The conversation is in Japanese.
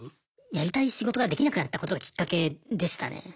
やりたい仕事ができなくなったことがきっかけでしたね。